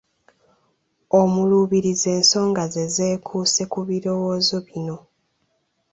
Omuluubirizi ensonga ze zeekuuse ku birowoozo bino.